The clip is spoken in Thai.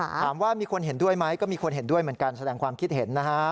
ถามว่ามีคนเห็นด้วยไหมก็มีคนเห็นด้วยเหมือนกันแสดงความคิดเห็นนะฮะ